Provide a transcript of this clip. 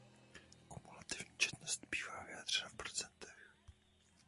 Kumulativní četnost bývá vyjádřena v procentech.